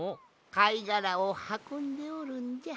かいがらをはこんでおるんじゃ。